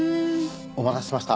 お待たせしました。